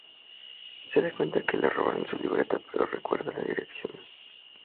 Se da cuenta que le robaron su libreta pero recuerda la dirección.